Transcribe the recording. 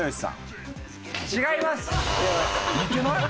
違います！